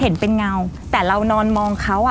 เห็นเป็นเงาแต่เรานอนมองเขาอ่ะ